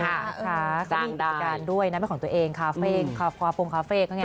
ค่ะเขามีอีกอิจารณ์ด้วยนะไม่ของตัวเองคาเฟ่ความภูมิคาเฟ่ก็ไง